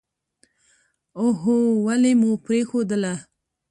اوهووو ولې مو پرېښودله.